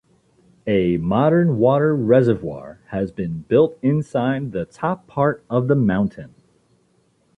A modern water reservoir has been built inside the top part of the mountain.